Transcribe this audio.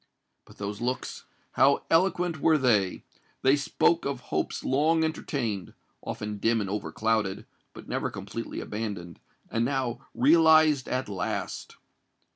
But those looks—how eloquent were they! They spoke of hopes long entertained—often dim and overclouded—but never completely abandoned—and now realized at last!